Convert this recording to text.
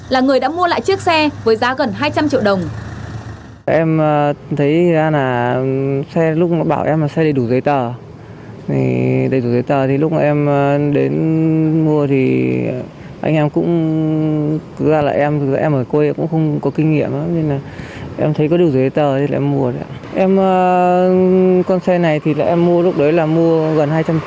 là người đã mua lại chiếc xe với giá gần hai trăm linh triệu đồng